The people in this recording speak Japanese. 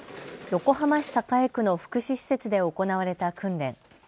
横浜市栄区の福祉施設で行われた訓練。